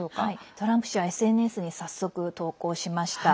トランプ氏はＳＮＳに早速、投稿しました。